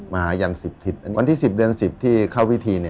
มหาญันสิบถิตวันที่๑๐เดือน๑๐ที่เข้าวิธี